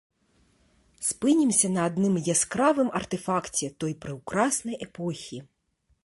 Спынімся на адным яскравым артэфакце той прыўкраснай эпохі.